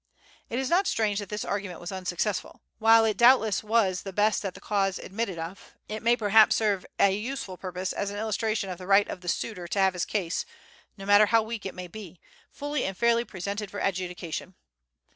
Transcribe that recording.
It is not strange that this argument was unsuccessful. While it doubtless was the best that the cause admitted of, it may perhaps serve a useful purpose as an illustration of the right of the suitor to have his case, no matter how weak it may be, fully and fairly presented for adjudication.